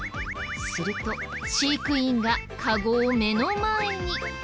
すると飼育員がカゴを目の前に。